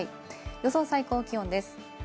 予想最高気温です。